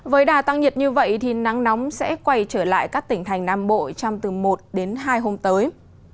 với đà tăng nhiệt như vậy thì nắng nóng sẽ quay trở lại các tỉnh thành nam bộ trong từ một đến hai hôm tới